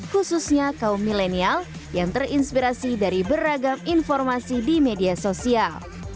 khususnya kaum milenial yang terinspirasi dari beragam informasi di media sosial